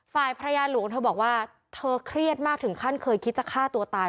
ฝ่ายภรรยาหลวงเธอบอกว่าเธอเครียดมากถึงขั้นเคยคิดจะฆ่าตัวตาย